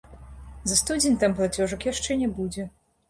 За студзень там плацёжак яшчэ не будзе.